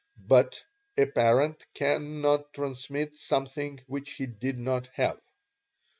BUT A PARENT CANNOT TRANSMIT SOMETHING WHICH HE DID NOT HAVE.